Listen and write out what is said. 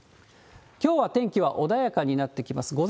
きょうは天気は穏やかになってきます。